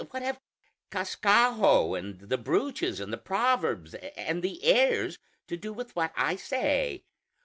What have Cascajo, and the brooches and the proverbs and the airs, to do with what I say?